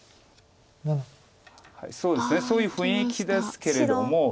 そうですねそういう雰囲気ですけれども。